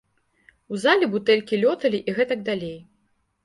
У залі бутэлькі лёталі і гэтак далей.